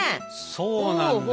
そうなんだよね。